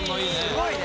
すごいね。